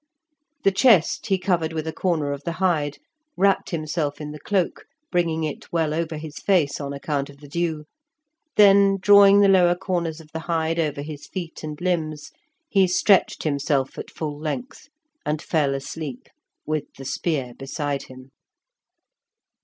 The chest he covered with a corner of the hide, wrapped himself in the cloak, bringing it well over his face on account of the dew; then, drawing the lower corners of the hide over his feet and limbs, he stretched himself at full length and fell asleep, with the spear beside him.